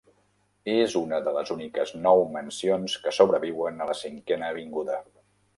És una de les úniques nou mansions que sobreviuen a la Cinquena Avinguda.